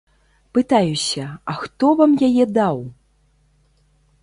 Пытаюся, а хто вам яе даў?